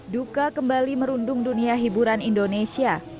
duka kembali merundung dunia hiburan indonesia